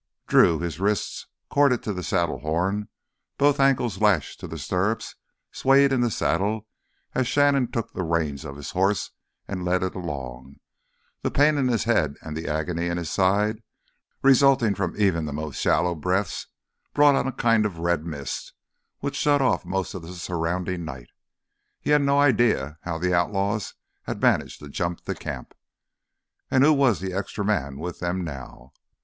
Drew, his wrists corded to the saddle horn, both ankles lashed to the stirrups, swayed in the saddle as Shannon took the reins of his horse and led it along. The pain in his head and the agony in his side resulting from even the most shallow breaths, brought on a kind of red mist which shut off most of the surrounding night. He had no idea how the outlaws had managed to jump the camp. And who was the extra man with them now?